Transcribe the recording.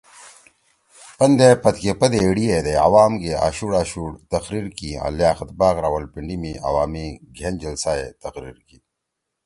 پندے پد کے پد ئے ایِڑی ہیدے عوام گے آشُوڑ آشُوڑ تقریر کی آں لیاقت باغ راولپنڈی می عوامی گھین جلسہ ئے تقریر کی